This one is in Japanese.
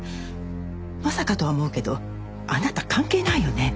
まさかとは思うけどあなた関係ないよね？